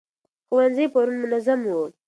ښوونځي پرون منظم وو.